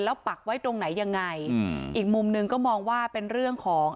แล้วปักไว้ตรงไหนยังไงอืมอีกมุมหนึ่งก็มองว่าเป็นเรื่องของ